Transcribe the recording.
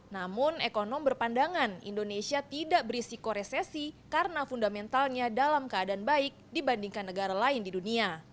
namun ekonom berpandangan indonesia tidak berisiko resesi karena fundamentalnya dalam keadaan baik dibandingkan negara lain di dunia